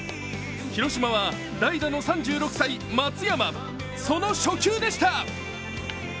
広島は代打の３６歳、松山その初球でした。